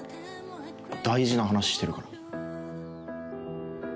大事な話してるから。